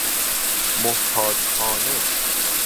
محتاج خانه